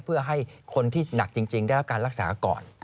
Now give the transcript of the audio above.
เพื่อให้คนที่หนักจริงได้รับการรักษาก่อน